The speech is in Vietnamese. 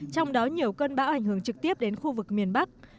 trong đó nhiều cơn bão ảnh hưởng trực tiếp đến khu vực miền bắc